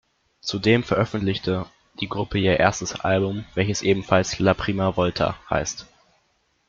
Zudem veröffentlichte die Gruppe ihr erstes Album, welches ebenfalls ""La Prima Volta"" heißt.